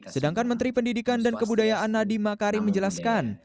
sedangkan menteri pendidikan dan kebudayaan nadiem makarim menjelaskan